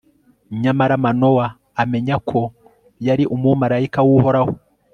nyamara manowa amenya ko yari umumalayika w'uhoraho